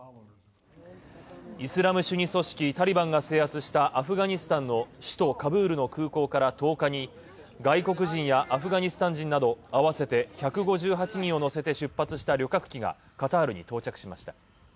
イスラム主義組織タリバンが制圧したアフガニスタンの首都カブールの空港から１０日に外国人やアフガニスタン人など合わせて１５８人を乗せて出発した旅客機がカタールに到着しました。